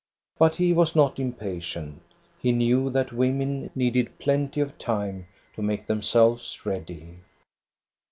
But he was not impa tient. He knew that women needed plenty of time to make themselves ready.